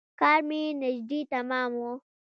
کار مې نژدې تمام و.